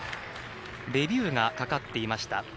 レビュ−がかかっていました。